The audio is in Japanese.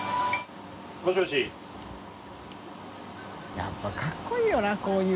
笋辰僂かっこいいよなこういう。